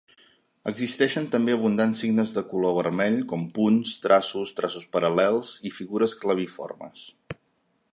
Existeixen també abundants signes de color vermell com punts, traços, traços paral·lels i figures claviformes.